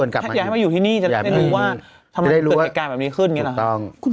ถ้าอยากให้มาอยู่ที่นี่จะได้รู้ว่าทำไมเกิดเหตุการณ์แบบนี้ขึ้นอย่างนี้หรอ